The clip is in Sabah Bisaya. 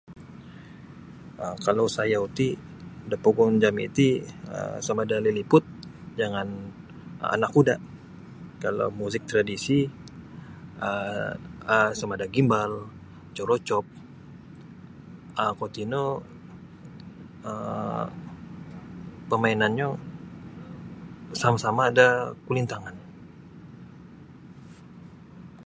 um Kalau sayau ti da pogun jami' ti um sama ada Liliput jangan Anak Kuda' kalau muzik tradisi um sama ada Gimbal Corocop um kuo tino um pamainannyo basama'-sama' da kulintangan.